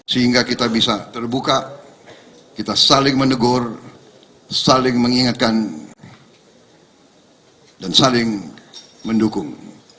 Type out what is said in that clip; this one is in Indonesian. sehingga kita bisa terbuka kita saling menegur saling mengingatkan dan saling mendukung